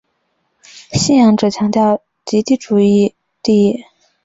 信仰者强调集体利益胜过个人主义。